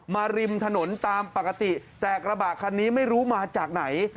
ริมถนนตามปกติแต่กระบะคันนี้ไม่รู้มาจากไหน